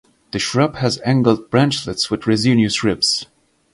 The shrub has angled branchlets with resinous ribs.